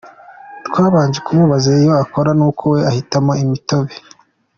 Twabanje kumubaza iyo akora nuko we ahitamo ‘Imitobe’”.